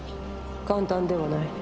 簡単ではない。